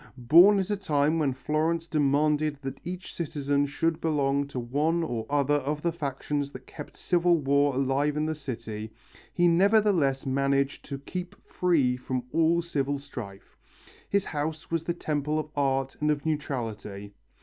Born at a time when Florence demanded that each citizen should belong to one or other of the factions that kept civil war alive in the city, he nevertheless managed to keep free from all civil strife. His house was the temple of art and of neutrality.